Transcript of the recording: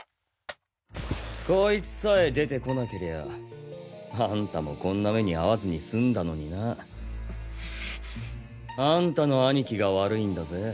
こいつさえ出てこなけりゃああんたもこんな目にあわずにすんだのにな。あんたのアニキが悪いんだぜ。